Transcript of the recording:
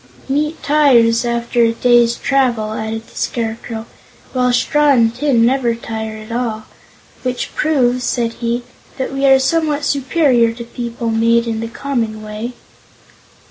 "Meat tires, after a day's travel," added the Scarecrow, "while straw and tin never tire at all. Which proves," said he, "that we are somewhat superior to people made in the common way."